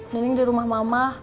nining di rumah mama